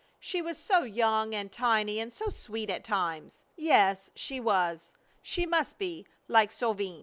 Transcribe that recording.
She was so young and tiny, and so sweet at times! Yes, she was, she must be, like Solveig.